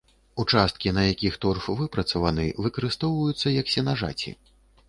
Участкі, на якіх торф выпрацаваны, выкарыстоўваюцца як сенажаці.